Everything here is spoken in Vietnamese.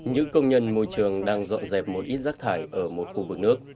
những công nhân môi trường đang dọn dẹp một ít rác thải ở một khu vực nước